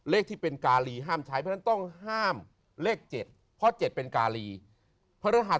เลขที่เป็นกาลีห้ามใช้เพราะฉะนั้นต้องห้ามเลข๗เพราะ๗เป็นการีพระรหัส